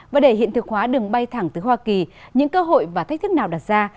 và để hiện thực hóa đường bay thẳng tới hoa kỳ những cơ hội và thách thức nào đặt ra